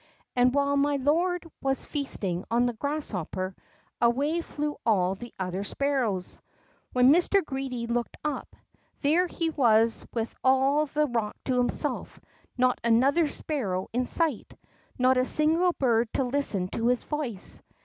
And while my lord was feasting on the grasshopper, away flew all the other sparrows. When Mr. Greedy looked up, there he was wdth all the rock to himself, not another sparrow in sight. Not a single bird to listen to his voice.